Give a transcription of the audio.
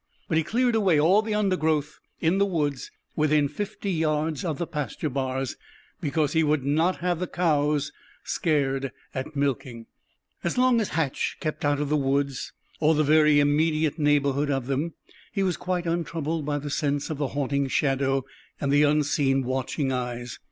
But he cleared away all the undergrowth in the woods within fifty yards of the pasture bars, because he would not have the cows scared at milking. As long as Hatch kept out of the woods, or the very immediate neighborhood of them, he was quite untroubled by the sense of the haunting shadow and the unseen, watching eyes.